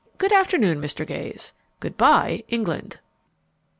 "Good afternoon, Mr. Gayes! Good by, England!"